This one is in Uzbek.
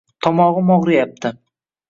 Tomog'im og'riyapti.